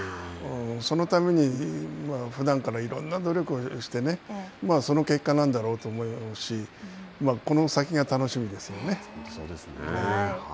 そのためにふだんからいろんな努力をして、その結果なんだろうと思うしこの先が楽しみですよね。